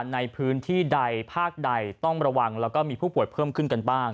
ในพื้นที่ใดภาคใดต้องระวังแล้วก็มีผู้ป่วยเพิ่มขึ้นกันบ้าง